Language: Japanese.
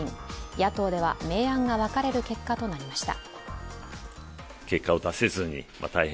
野党では明暗が分かれる結果となりました。